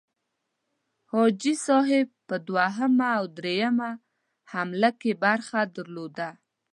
حاجي صاحب په دوهمه او دریمه حمله کې برخه درلوده.